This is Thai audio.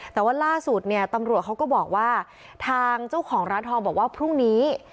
แต่ว่าล่าสุดเนี่ยตำรวจเขาก็บอกว่าทางเจ้าของร้านทองบอกว่าพรุ่งนี้